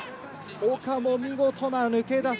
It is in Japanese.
尾家も見事な抜け出し。